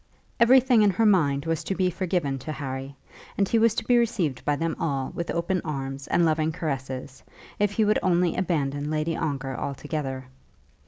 Everything in her mind was to be forgiven to Harry, and he was to be received by them all with open arms and loving caresses, if he would only abandon Lady Ongar altogether.